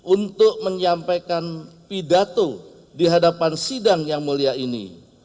untuk menyampaikan pidato di hadapan sidang yang mulia ini